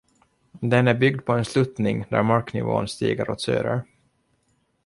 Den är byggd på en sluttning där marknivån stiger åt söder.